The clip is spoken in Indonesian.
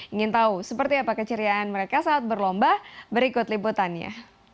ingin tahu seperti apa keceriaan mereka saat berlomba berikut liputannya